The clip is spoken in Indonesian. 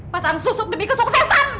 pasang susuk demi kesuksesan